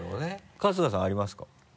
春日さんありますか？